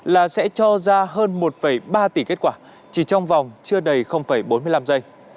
tin giả có thể đạt được một ba tỷ kết quả chỉ trong vòng chưa đầy bốn mươi năm giây